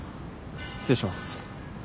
失礼します。